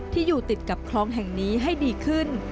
ที่อยู่ติดกับคลองแห่งนี้ให้ดีขึ้น